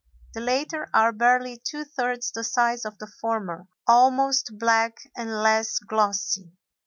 The latter are barely two thirds the size of the former, almost black, and less glossy.